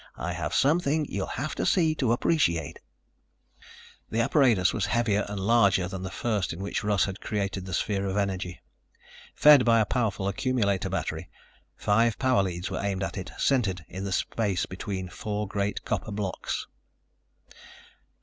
"I have something you'll have to see to appreciate." The apparatus was heavier and larger than the first in which Russ had created the sphere of energy. Fed by a powerful accumulator battery, five power leads were aimed at it, centered in the space between four great copper blocks.